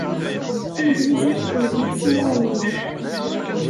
Tanglizit ur d iles-inu ayemmat.